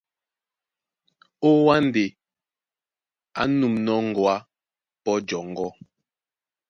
Ó Wâ ndé á nûmnɔ́ ŋgoá pɔ́ jɔŋgɔ́,